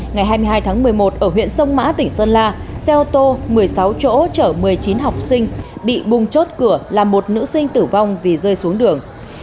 ngày hai mươi hai tháng một mươi một ở huyện sông mã tỉnh sơn la xe ô tô một mươi sáu chỗ chở một mươi chín học sinh bị bung chốt cửa làm một nữ sinh tử vong vì rơi xuống đường